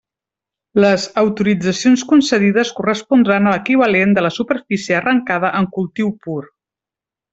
Les autoritzacions concedides correspondran a l'equivalent de la superfície arrancada en cultiu pur.